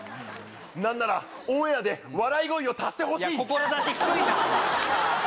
なんならオンエアで笑い声を足してほしい。